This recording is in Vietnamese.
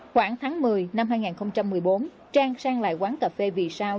khoảng tháng một mươi năm hai nghìn một mươi bốn trang sang lại quán cà phê vì sao